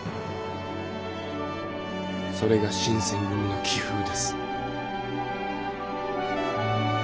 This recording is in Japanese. それが新選組の気風です。